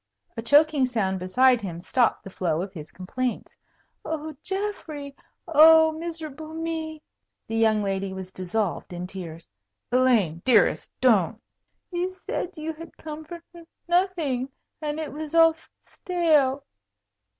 A choking sound beside him stopped the flow of his complaints. "Oh, Geoffrey, oh, miserable me!" The young lady was dissolved in tears. "Elaine dearest don't." "You said you had come for n nothing, and it was all st stale."